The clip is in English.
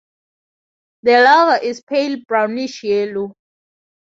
The larva is pale brownish yellow.